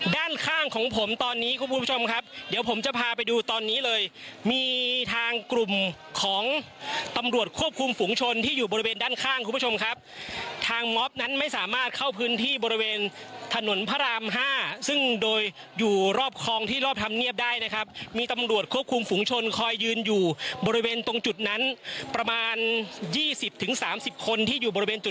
ด้านข้างของผมตอนนี้คุณผู้ชมครับเดี๋ยวผมจะพาไปดูตอนนี้เลยมีทางกลุ่มของตำรวจควบคุมฝุงชนที่อยู่บริเวณด้านข้างคุณผู้ชมครับทางม็อบนั้นไม่สามารถเข้าพื้นที่บริเวณถนนพระรามห้าซึ่งโดยอยู่รอบคลองที่รอบธรรมเนียบได้นะครับมีตำรวจควบคุมฝุงชนคอยยืนอยู่บริเวณตรงจุดนั้นประมาณยี่สิบถึงสามสิบคนที่อยู่บริเวณจุด